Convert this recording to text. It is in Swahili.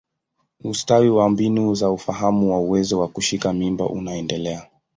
Ustawi wa mbinu za ufahamu wa uwezo wa kushika mimba unaendelea.